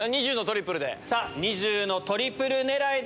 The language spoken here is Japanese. ２０のトリプルで。